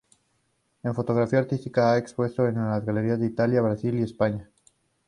En fotografía artística ha expuesto en galerías de Italia, Brasil y España.